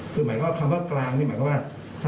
คือหมายความว่าคำว่ากลางนี่หมายความว่า